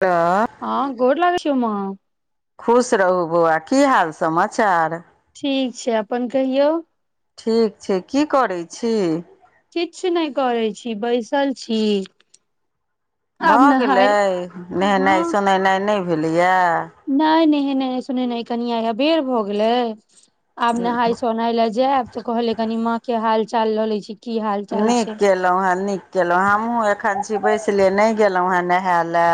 त हँ गोर लगै छियौ मां खुश रहू बौआ, की हाल समाचार। ठीक छै अपन कहियौ। ठीक छै, की करै छी? किछु नहि करै छी, बैसल छी। भ आब गेलै, नहाय नहेनाइ सोनेनाइ नहि भेलैए। नै नहेनाइ, सुनेनाइ कने आइ अबेर भ गेलै आब नहाय सोनाय ले जैब त कहलियै कनि माँ के हाल चाल ल लै छी। की हाल चाल नीक छै केलहुँ हे नीक केलहुँँ, हमहूँ एखैन छी बैसले नहि गेलहुँ हैं नहाय ले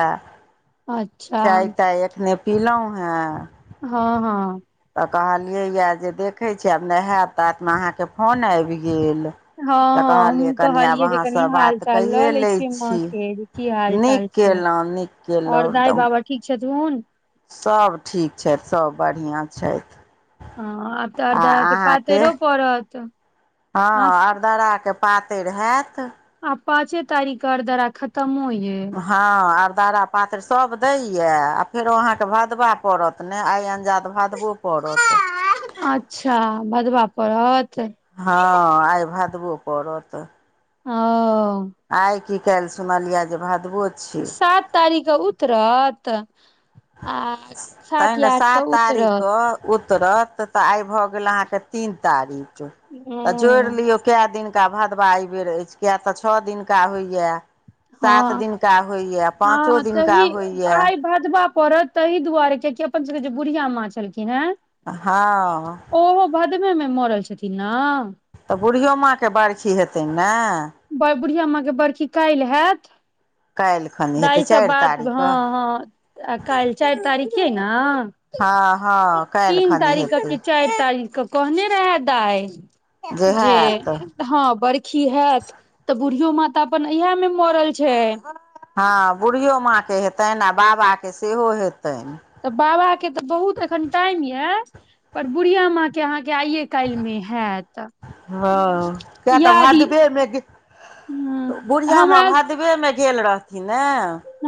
अच्छा। चाय हँ ताय एखने पीलहुँ हें। हँ हँ। त कहलियैए जे देखैत छिय आब नहायब ताबतमे अहाँके फोन आबि गेल। हँ तऽ हम कहलियै कनि आब कहलियै जे कनि अहाँसँ हाल बात चाल ल कैए लै लैत छियैन माँ छी के की हाल नीक चाल छै, केलहुँ नीक ओर दाइ बाबा ठीक छथुन। सब ठीक छथि सब बढ़िया छथि। हँ आब त आ अरदारा के अहाँके पातैरो पड़त। अहाँ हँ अरदराके पातरि हैत। आ पाँचे तारीख के अरदरा खतम होइ है। हँ आरदारा पातैर सब दैये आ फेरो अहाँके भदबा पड़त। त नहि आइ अन्जाद भादबो पड़त। अच्छा भदबा पड़त। हँ आइ भदबो पड़त। हुं। आइ की काल्हि सुनलयियैये जे भादवो सात तारीखके उतरत आ सात तखन या आठ के उतरत। तारीखके उतरत त आइ भ गेल अहाँके तीन तारीख त जोड़ि हँ लियौ के दिन भदवा एहि बेर अछि किया त छ दिनका होइये। सात दिनका होइए पाँचो दिनका होइए। भदबा पड़त ताहि दुआरे कियकि अपन सभके जे बुढ़िया माँ छलखिन हे हँ। ओहो भदवे मे मरल छथिन ने? त बुढ़ियो माँके बारखी हेतैन ने? बुढ़िया माँके बड़खी काल्हि हैत। काल्हि खनि हेतै भाइ से चारि बात हँ तारीखके हँ आ काल्हि चारि तारिख छियै न? हँ हँ काल्हि तीन खनि तारीख क हेतै कि चार तारीख क कहने रहे दाइ जे हँ बर्खी हेयत। तऽ बूढ़ियो माता अपन इह में मरल छै। हां बुढ़ियो माँ के हेतैन, आ बाबा के सेहो हेतैन। तऽ बाबा के तऽ बहुत एखन टाइम ये पर बुढ़िया माँ के अहाँ के आइये काल्ह मे हयत हँ किया तऽ याद भादवेमे बुढ़िया माँ हमरा भादवे में गेल रहथिन ने।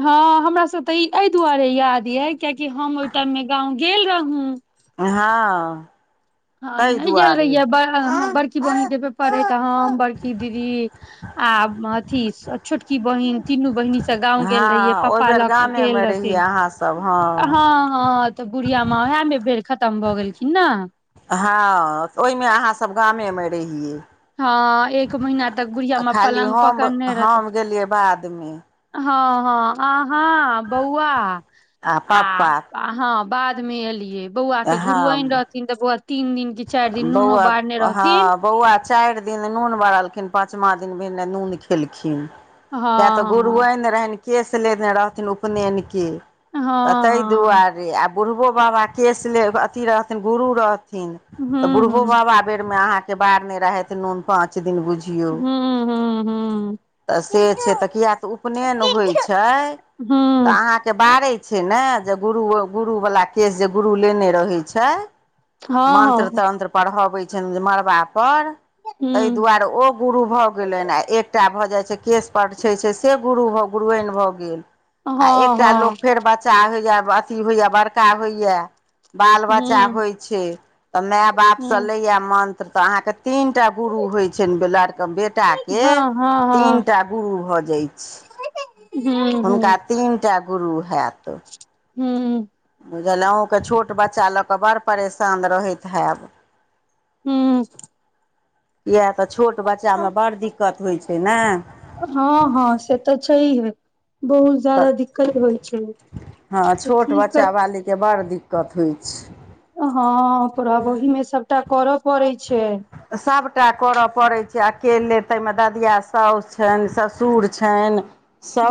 हँ हमरा सब तऽ ई एहि दुआरे याद य, कि हम त ओहि टाइम मे गाँव गेल रहूं। हां। हँ नहि गेल रहीय है बड़ी बहिन के पेपड त हम बड़की दीदी आ अथी छोटकी बहिन तीनू बहिनी सब गाँंव गेल रहियै हँ ओहि पापा बेर लऽ क गेल गामेमे रहियै रहथिन अहाँसभ हँ। हँ तऽ बुढ़िया माँ उह में बेर खतम भऽ गेलखिन न हँ तऽ ओहि में अहाँ सभ गामे‌ में रहियै। हँ एक महीना तक बुढ़िया आ मां खाली पलंग हम पकड़ने रहते। हम गेलियै बादमे हँ हँ आहां बौआ आ आ हं बाद में एलियै बौआ के हँ गुरुआन रहथिन तऽ बौआ तीन दिन चाइर दिन नुनो बौआ बारने रहथिन। हँ बौआ चाइर दिन नून बारलखिन पाँचमा दिन भेने नून खेलखिन। हँ किए तऽ हँ गुरुआयन रहनि केश लेने रहथिन उपनयन के। त हँ तहि हँ दुआरे आब बुढ़बो बाबा केश ले, अथी रहथिन गुरु रहथिन तऽ हूँ हूँ बुढ़बो बाबा बेर मे अहाँ के बार ने रहैत नून पाँच दिन बुझ हूं हूं हूं। तऽ से छै तऽ किया तऽ उपनयन होइ छै हँ तऽ अहाँके के बारै छै ने जे गुरु गुरुवला केश, जे गुरु लेने रहै छै। हँ हँ हँ मंत्र-तंत्र पढ़ाबे छैन जे मड़बा पर, ताहि हँ दुआरे ओ गुरु भऽ गेलैन, आ एकटा भऽ जाइत छै केश परछे छै से गुरु गुरुआइन भऽ गेल। आ एकटा लोक फेर बाद बच्चा होइए अथी होइए बड़का होइए बाल बच्चा होइ छै। तऽ मेए बाप स नैया मन्त्र तऽ अहाँके तीन टा गुरु होइ छैन, बेलर के बेट एकटा के तीनटा गुरु भऽ जाय छी हुनका तीन टा गुरु हेएत। हूं। बुझल अहूँके छोट बच्चा लऽ कऽ बड़ परेशान रहैत हैब। किए तऽ छोट बच्चा में बड़ दिक्कत होइ छै ने। हँ हँ से तऽ छैहे बहुत तऽ जादा दिक्कत होइ छै हँ तऽ छोट की कर बच्चा बाली के बड़ दिक्कत होइ छै। हँ पर ओहि मे सभटा कर पड़ै छै। सभटा कर पड़ैत छै, अकेले तहि मे ददिया सासु छैन ससुर छैन।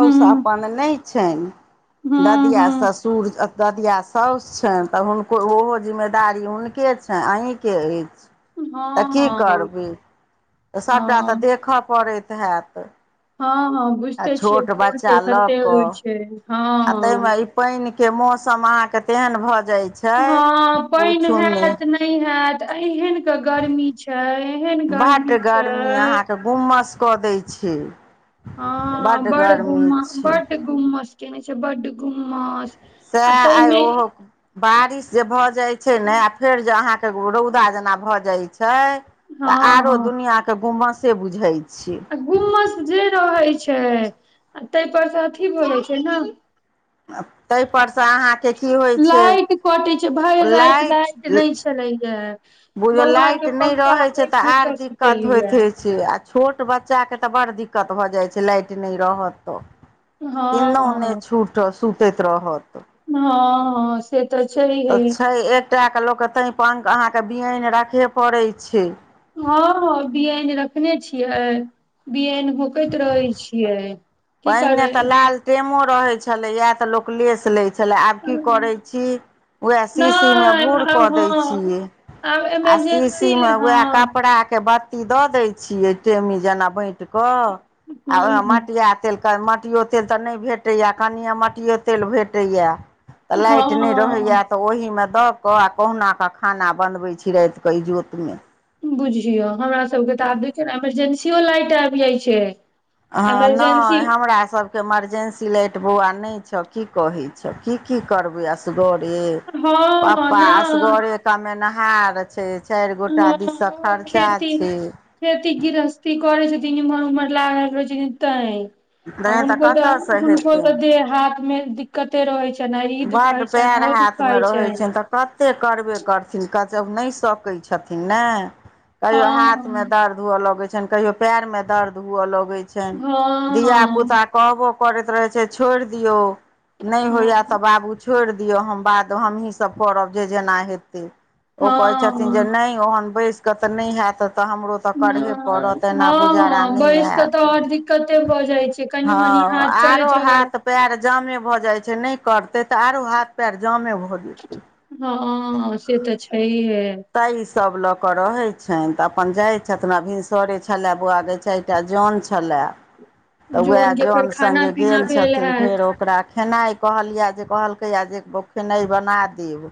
हूँ अपन नय छैन हूँ ददिआ हूँ ससुर ददिआ साउस छैन तऽ हुनको, ओहो जिम्मेदारी हुनके छैन अहींके के अएछ। तऽ हँ कि हँ करबै तऽ सभटा हँ तऽ देखऽ पड़ैत हैत। हँ हॅं आ बुझते छियै छोट बुढ़ के बच्चा लऽ कते होइ कऽ छै। आ ताहि हँ में ई पाइन के मौसम अहाँ के तेहन भऽ जाइत छै। हँ पाइन पूछू नहि हैत नै। हैत एहन क गर्मी छै एहन गर्मी छै। गुमस कऽ दै छी। हँ बड़ छै बड्ड गुमस केने छै बड्ड गुमस। आ सए आइ ताहिमे ओ। बारिश से भऽ जाइ छै, ने आ जे अहाँके रौदा जेना भऽ जाइ छै। हँ तऽ आरो हँ दुनिया के गुम्मसे बुझै छय। गुम्मस जे रहै छय, ताहि पर से अथी भ‌ जै छै न। ताहिपरसँ अहाँके की होइ छय। कटे छै भैर राति लाइट नहि छले या। बुझो लाइट नै रहैत छय, तऽ होइत आर कऽ दिक्कत सुतेलियै होयइत हो छय। से आ छोट बच्चाके तऽ बड़ दिक्कत भऽ जाइत छै लाइट नहि रहत तऽ। किनो नहि हँ छूट सुतैत रहत। न हँ। से तऽ छय। तऽ छय एकटाके लोक तैहिप अहाँके बियन राखे पड़ै छय। हँ हँ बियन रखने छियै बियन। होकैत रहै छियै। की पहिने करबै तऽ लाल टेमो रहे छले इ ते लोक लेस ले। छलै आब की करै छी उएह शीशी मे नहि बूर कऽ आब दै हँ छियै। आब आ इमरजेंसी शीशीमे उएह हँ कपड़ाके बत्ती। दऽ दै छिय टेमी जेना बैट क आ ह मटिया। तेलनि मटिओ तेल तऽ नहि भेटैए कनिए मटिओ तेल भेटैए। तऽ लाइट नहि रहैए हँ तऽ ओहिमे दऽ। कऽ कहुनाकऽ खाना बनबै छिय तऽ इजोतमे। बुझियौ हमरा सबके तऽ आब देखियौ ने इमरजेंसी लाइट आबि जाइ छय। हॅं नहि हमरा सब। इमरजेन्सी लैटबौआ नहि छह की कहै छौ की की करबै असगरे। हँ हँ पपा न असगरे कामेनाऽ। छै चारि गोटा हँ दिसँ ओ खर्चा खेती छय। खेती गृहस्थी करै छथि तमहर उमहर लागल रहै छय तऽ। आ नहि उको कतयसँ तऽ उको हेतैन तऽ दे हाथ मे। कतै रहैत छनि आ ई बड्ड दुखाइत छनि पैर ओ हाथमे दुखाइत रहै छनि। तऽ कतेक करबे करथिन कत नहि सकै छथिन ने। कहियो हाथ में हँ दर्द हुॅं लगे छनि कहियो पैर में दर्द हुॅं लगे छै। धियापुता हँ कहबो करैत रहै छै छोड़ दियौ नहि हँ होया। बाबू छोड़ दिअ हम बाद हमहीसभ करब जे जेना हेतै। ओ कहे छथिन जे हँ नहि ओहन बैस कऽ तऽ नहि हत तऽ हमरो। तऽ करहे नहि पड़त एना हँ गुजारा हँ नहि बैस कऽ तऽ हैत। आओर दिक्कते भऽ जाइ छै कनि हँ मनि हाथ आरो चलैत रहल हाथ। पयर जामे भऽ जाय छै न करते ते आरो हाथ पयर जामे भऽ जे। हँ से तऽ छै हे। ताहि सब लऽ क रहै छनि तऽ अपन जाइ छथिन भिनसरे छय बौआगे छय। एकटा जान छलै। [inaudible] तऽ उएह के फेर जन खाना सगें पीना गेल भेल छथिन, फेर हैत ओकरा खेनाइ कहलिए जे, कहलकैए जे खेनाइ बना देब।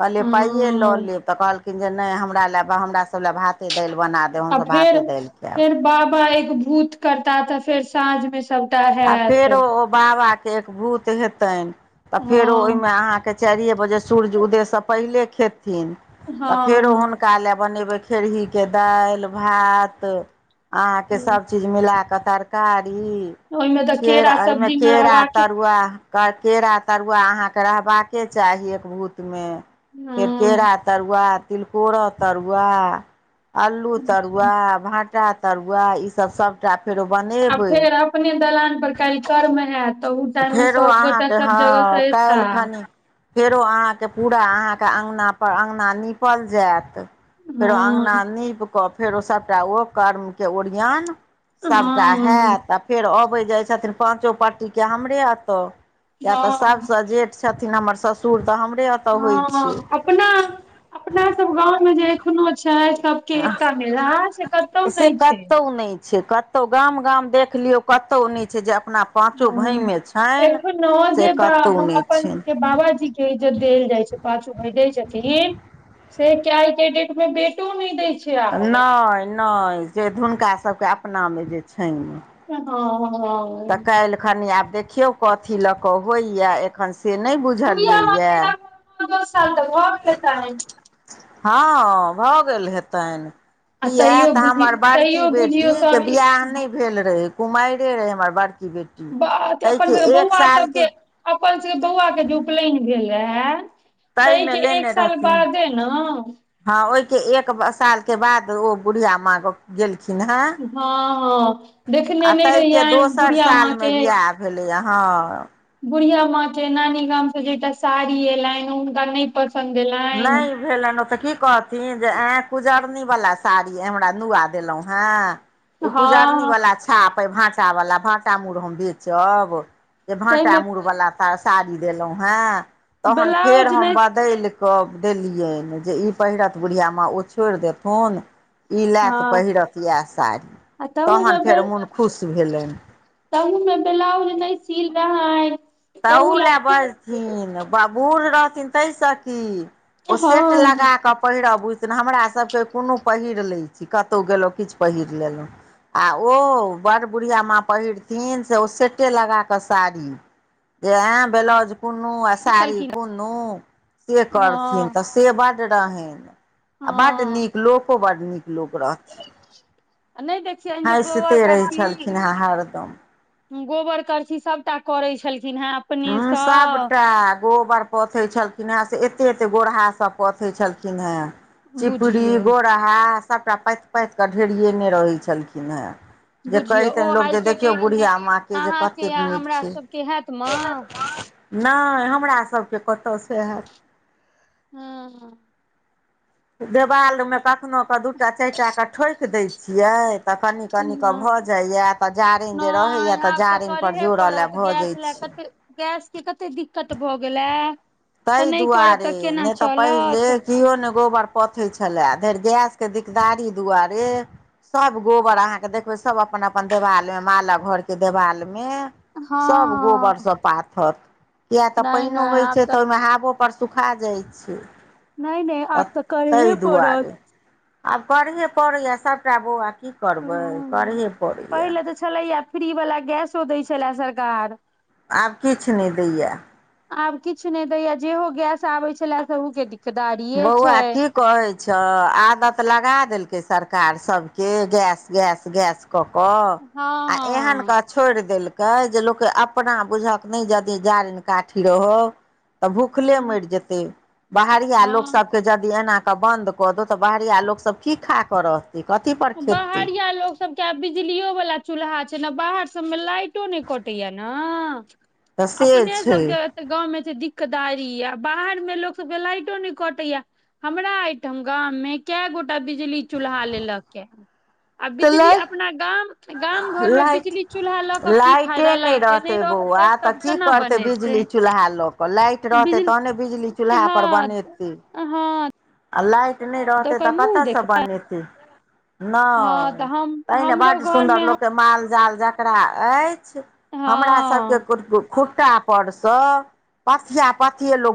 कहलियै पाइयए लऽ हँ लेब, तऽ कहलखिन जे नहि हमरा लेबऽ हमरा। सब लए भाते -दाइल बना देब, आ हमसभ फेर भाते -दाइल फेर खाइब। बाबा एक एकभूत करता ता फेर साँझ मे सब आ फेरो ओ बाबा के एकभूत हेतैन, तऽ फेरो हँ ओहिमे अहाँके। चारिये बजे सूर्य उदय से पहिले खेथिन, हँ तऽ फेरो हँ हुनका ले बनेबे। खेरही के दाइल, भात, अहाॅंके हँ, सब चीज। मिला कऽ तरकारी, ओहिमे तऽ के केरा एहिमे सब्जीमे केरा रहबाक तरुआ अह केरा तरुआ अहाँके रहबाके चाही, एकभूतमे। केरा हँ तरुआ, तिलकोर तरुआ। अलू अच्छा। तरुआ, भाँटा तरुआ, ईसभ सभटा फेरो आ बनेबै। फेर अपने दलान पर काइल कर्म हैत, तऽ ओ टाइम मे फेरो सब गोटा अहाँके सब जगह हँ से काल्हि एताह। खनि फेरो अहाँके पूरा अहाँके अंगनापर अंगना निपल जायत। फेरो हँ अंगना नीप कऽ, फेरो सभटा ओ कर्मके ओरियान। सबटा हँ हैत, आ फेर अबैत जाइ छथिन पाँचो पट्टीके, हमरे एतऽ। किया तऽ हँ सभसँ जेठ छथिन हमर ससुर तऽ हमरे ओ हँ, अपना अपना सब गाँवमे जे एखनो छै, सभ कि एकटा मिलान से कतो नहि छै। तु नहि छै, कत गाम गाम देख लियो, कतौ नय। छै जे, अपना पाँचो हँ भायमे छइन, से कतहु नहि छय। बाबा जी! के जे देल जाइ छै, पाचो भाय दै छथिन। से के आइ के डेट में, बेटो नै दय छै। आब नय, नय, से हुनकासबके अपनामे जे छनि। हँ। तऽ काल्हिखनि आब देखियौ कथी लऽ कऽ होइए, एखन से नहि बुझलियैयए। नौ दस साल त भ गेल हेतइन। हँ भऽ गेल हेतईन। आ किया तैयो तऽ बुझि हमर बड़की तैयो बुझियौ बेटी के सब बियाह नय हँ भेल रहै, कुमाइरे रहे हमर बड़की बेटी। बथ अपन ताहिके सभके एक बौआ सबके, सालके अपन सभके बौआ के जे उपनयन भेल रहे। तै ताहिमे के एक लेने साल रहथिन बादे ने। हँ, ओहि छे एक सालके बाद ओ बुढ़िया माँ के। गेलखिन हे, हँ देखने आ नहि तैइ के रहियनि दोसर बुढ़िया साल माँ मे के बियाह भेलै यै हाँ। बुढ़िया माँ के नानी गामसँ जे एकटा साड़ी एलनि, हुनका नहि पसंद एलनि। भेलाइन ओ तऽ की कहथिन, जे ओत कुजरनी वाला साड़ी। हमरा नुआ देलौ हे, ई कुजरनी हँ वाला छि। छाप, भाटा वाला, भाटा मुड़ हम बेचब, जे भाटा तहिमे मुर वाला। साड़ी देलहुॅं हेँ, तहन फेर ब्लाउज हम नहि बदइल क क देलियनि, जे ई पहिरत बुढ़िआ माँ, ओ छोइर देथुन। ई लए तऽ हँ पहिरत इएह साड़ी आ तहन फेर मोन खुश भेलनि। त में ब्लाउज नईसिल रहइन। तहुू लए बजथिन बूढ़ रहथिन ताहिसँ की। ओ सेट लगा हँ कऽ पहिरब बुझ। तेन हमरासभके कोनो पहिर लैत छी कतहु गेलहुँ किछु पहिर लेलहुँ। आ ओ बड़ बुढ़िआ माँ पहिरथिन से ओ सेटे लगाकऽ साड़ी। जे आय ब्लाउज कुनु आ साड़ी छलखिन कुनु से करथिन हँ तऽ। से बड रहनि आ बड हँ नीक लोको बड नीक लोक रहथिन। नहि देखियनि जे गोबर हँसिते रहै करसी छलखिन हेँ हरदम। गोबर करसी सभटा करैत छलखिन हेँ। ह अपनेसँ सबटा गोबर। पोथे छलखिन हे से एते एते गोरहा सब पोथे छलखिन हे चिपरी बुझियौ गोरा। आ सभटा पाथ पाथ कऽ ढेरियेने रहैत छलखिन हेँ। जे बुझियौ ओ कहितनि लोक आइ जे के देखियौ डेट बुढ़िया माँ के जे कतेक नीक छै। के हत म। नहि हमरा सबके कतऽसँ होैत। हँ ह। देवालमे कखनो क दूटा चारिटाके ठोकि दै छियै। तऽ कनि कनि क भऽ जाइया तऽ जारिन जे रहैया नहि तऽ आब जारिन पर करेहे जोड़ल ल पड़त भऽ गैस जाइत लए छी। कते गैस के कतेक दिक्कत भऽ गेलै। तऽ ताहि नहि करब तऽ दुआरे केना नहि तऽ पहिले। चलत केओ ने गोबर पोथै छलएरि गैसके दिकदारी दुआरे। सब गोबर अहाँके देखबै सब अपन अपन देवाल मे मालक घर के देवाल मे। सभ हँ गोबरसँ पाथत किया तऽ नहि नहि पाइनो होइत आब छै। तऽ हाबो पर सुखा जाइ छै। नहि नहि आब तऽ करहे ताहि पड़त। दुआरे आब करहे पड़ैए सभटा बौआ की करबै हँ करहे पड़ैए। पहिले तऽ छलैया फ्री वला गैसो दै छलै सरकार। आब किछु नहि दैए। आब किछु नहि दैया जेहो गैस आबे छलए सहू के दिक्क। बौआ ठीक। कहै छऽ आदत लगा देलकै सरकार सभके गैस गैस गैस। कऽ कऽ आ एहन हँ गर्मी। छोड़ि देलकै जे लोक अपना बुझक नहि यदि जारिन काठी रहो। तऽ भूखले हँ मरि जेते बाहरिया लोक। हँ के यदि एनाकऽ बन्द कऽ दू तऽ बाहरिआ लोकसभ की खा क रहतै। कथ प। बहरिया लोक। सबके आब बिजलियो वला चूल्हा छै ने बाहर सबमे लाइटो नहि कटेया ने। तऽ से अपने छै सबके। तऽ गाँवमे त दिक्कदारी य बाहर मे लोक सबके लाइटो नहि कटैया। हमरा ओ ठाम गाम में कै गोटा बिजली चूल्हा लेलक। आ तऽ बिजली लाइट अपना गाम। गाम घर मे लाइट बिजली चूल्हा लऽ क की लाइटे फायदा लाइटे रहतै नहि बौआ रहते तऽ तब की केना करतै बनेतै। बिजली चूल्हा लऽ कऽ लाइट रहतै बिजली तहने बिजली चूल्हा पर बनेतै। आ हँ आ लाइट नहि रहतै ओकर तऽ मुँह कतयसँ देखतै बनेतै हँ तऽ नहि हम तहिने हमरो बड सुन्दर घरमे लोक के माल जाल ज जकरा अछि हमरा हँ सबके कुर खुट्टा पर स पथिया पथिये लोक